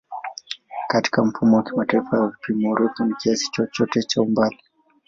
Katika Mfumo wa Kimataifa wa Vipimo, urefu ni kiasi chochote cha umbali.